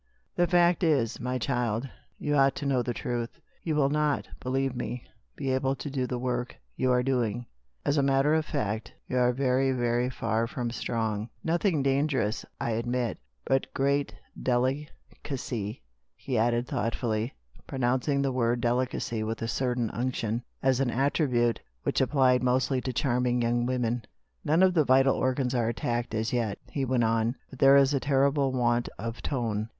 " The fact is, my child, you ought to know the truth. You will not, believe me, be able to do the work you are doing. As a matter of fact, you are very, very far from strong. Nothing dangerous, I admit, but great deli — cacy," he added thoughtfully, pronouncing the word " delicacy " with a certain unction, as an adjective which applied mostly to charming young women. " None of the vital organs are attacked as yet," he went on, " but there is a terrible want of tone.